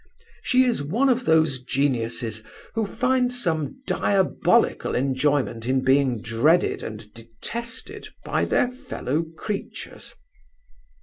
She is one of those geniuses who find some diabolical enjoyment in being dreaded and detested by their fellow creatures.